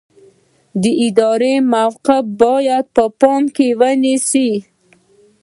د ادارې موقف باید په پام کې ونیسئ.